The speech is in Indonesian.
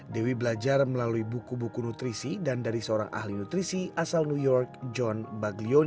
dewi belajar melalui buku buku nutrisi dan dari seorang ahli nutrisi asal new york john baglion